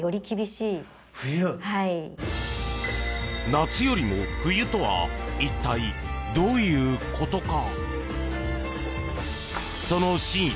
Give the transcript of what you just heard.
夏よりも冬とは一体、どういうことか？